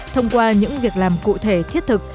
thông qua những việc làm cụ thể thiết thực